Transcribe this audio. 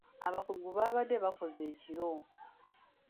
Abakungu baabadde bakoze ekiro.